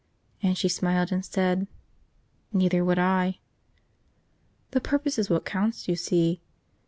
And she smiled and said, 'Neither would I.' The purpose is what counts, you see.